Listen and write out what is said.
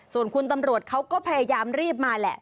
ส่วนคุณตำรวจเขาก็พยายามรีบมาแหละ